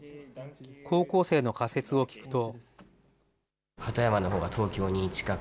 高校生の仮説を聞くと。